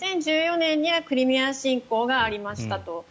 ２０１４年にはクリミア侵攻がありましたと。